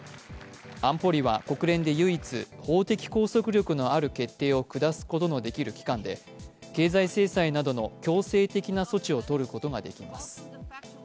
安保理は国連で唯一、法的拘束力のある決定を下すことのできる機関で経済制裁などの強制的な措置をとることができます。